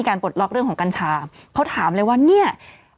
ปลดล็อกเรื่องของกัญชาเขาถามเลยว่าเนี่ย